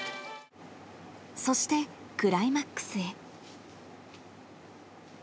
そしてクライマックスへ。